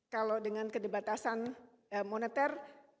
kalau dengan keterbatasan moneter